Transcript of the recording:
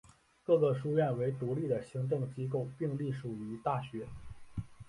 各个书院为独立的行政机构并隶属于大学。